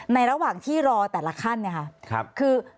ในระหว่างที่รอแต่ละขั้นคือ